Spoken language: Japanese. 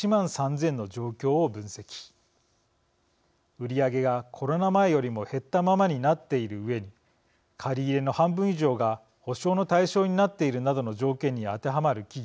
売り上げがコロナ前よりも減ったままになっているうえに借り入れの半分以上が保証の対象になっているなどの条件に当てはまる企業